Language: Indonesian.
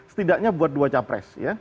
setidaknya buat dua capres ya